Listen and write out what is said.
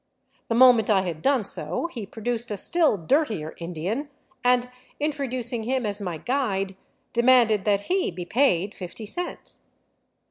The moment I had done so he produced a still dirtier Indian and, introducing him as my "guide,'* demanded that he be paid fifty cents.